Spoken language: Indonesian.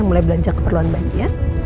masa keperluan nelat